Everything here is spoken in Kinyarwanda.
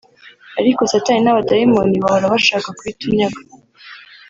ariko satani n’abadayimoni bahora bashaka kubitunyaga